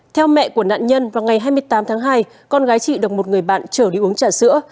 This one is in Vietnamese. theo mẹ của nạn nhân vào ngày hai mươi tám tháng hai con gái chị đồng một người bạn trở đi uống trà sữa